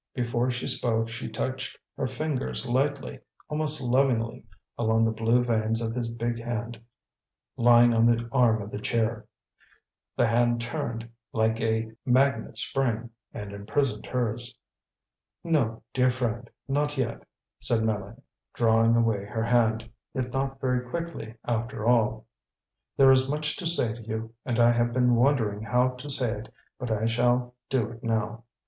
Before she spoke, she touched her fingers lightly, almost lovingly, along the blue veins of his big hand lying on the arm of the chair. The hand turned, like a magnet spring, and imprisoned hers. "No, dear friend, not yet," said Mélanie, drawing away her hand, yet not very quickly after all. "There is much yet to say to you, and I have been wondering how to say it, but I shall do it now.